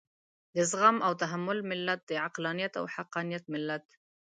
د زغم او تحمل ملت، د عقلانيت او حقانيت ملت.